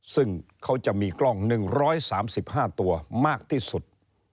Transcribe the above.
ซึ่งเขาจะมีกล้อง๑๓๕ตัวมากที่สุด